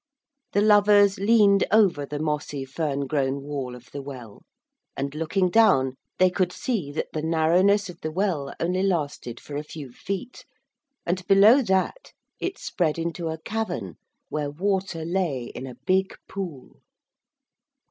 The lovers leaned over the mossy fern grown wall of the well, and, looking down, they could see that the narrowness of the well only lasted for a few feet, and below that it spread into a cavern where water lay in a big pool.